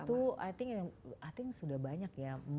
kita sudah bantu i think i think sudah banyak ya